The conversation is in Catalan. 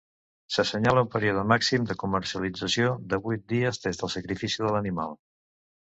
S'assenyala un període màxim de comercialització de vuit dies des del sacrifici de l'animal.